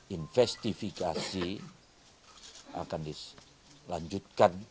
investifikasi akan dilanjutkan